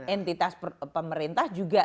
entitas pemerintah juga